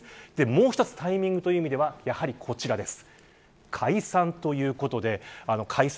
もう一つタイミングという意味ではやはりこちらです。